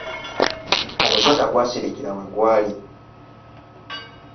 Omusota gwasirikira we gwali.